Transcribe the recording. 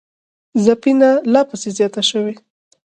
ځپنه لاپسې زیاته شوې